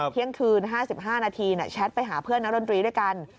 เที่ยงคืน๕๕นาทีแชทไปหาเพื่อนนักดนตรีด้วยกัน